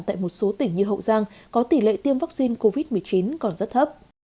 tại một số tỉnh như hậu giang có tỷ lệ tiêm vaccine covid một mươi chín còn rất thấp